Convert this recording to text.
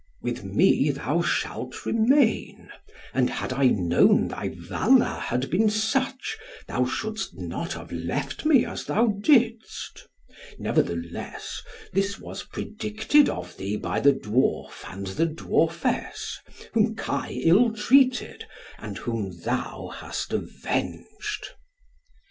"With me thou shalt remain; and had I known thy valour had been such, thou shouldst not have left me as thou didst. Nevertheless, this was predicted of thee by the dwarf and the dwarfess, whom Kai ill treated, and whom thou hast avenged."